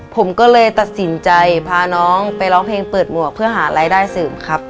ผมก็เลยตัดสินใจพาน้องไปร้องเพลงเปิดหมวกเพื่อหารายได้เสริมครับ